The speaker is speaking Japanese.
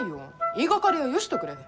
言いがかりはよしとくれ。